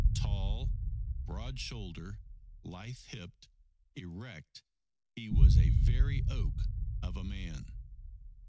Tall, broad shouldered, lithe hipped, erect, he was a very oak of a man.